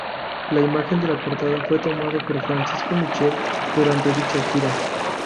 La imagen de la portada fue tomada por Francisco Michel, durante dicha gira.